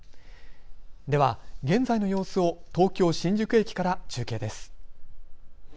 では、現在の様子を東京新宿駅から中継です。